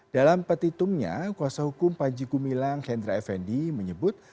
dalam petitumnya kuasa hukum panji gumilang hendra effendi menyebut